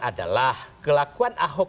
adalah kelakuan ahok